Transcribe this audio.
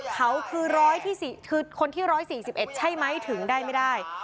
เขาคือคนที่๑๔๑ใช่ไหมถึงได้ไม่ได้